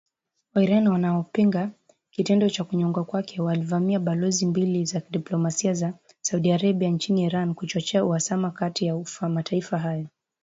Wairani wanaopinga kitendo cha kunyongwa kwake, walivamia balozi mbili za kidiplomasia za Saudi Arabia nchini Iran, kuchochea uhasama kati ya mataifa hayo